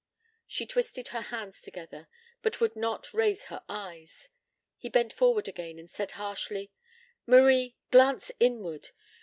She twisted her hands together, but would not raise her eyes. He bent forward again and said harshly: "Marie! Glance inward.